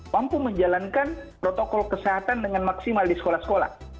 mampu menjalankan protokol kesehatan dengan maksimal di sekolah sekolah